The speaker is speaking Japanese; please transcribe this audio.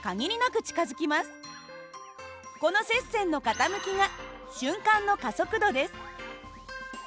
この接線の傾きが瞬間の加速度です。